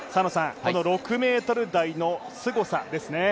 この６ｍ台のすごさですね。